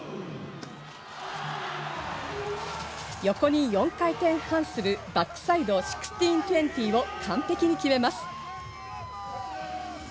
横に４回転半するバックサイド１６２０を完璧に決めます。